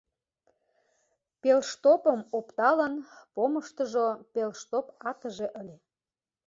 Пелштопым опталын: помыштыжо пелштоп атыже ыле...